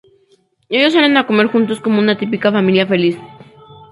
Ellos salen a comer juntos como una típica familia feliz.